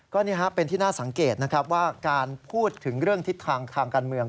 ก็นี่เป็นที่น่าสังเกตว่าการพูดถึงเรื่องทิศทางการเมือง